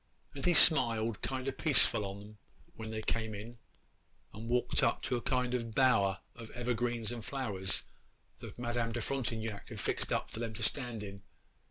and he smiled kind o' peaceful on 'em when they came in and walked up to a kind o' bower of evergreens and flowers that Madame de Frontignac had fixed for them to stand in.